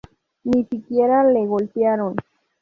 Ni siquiera le golpearon.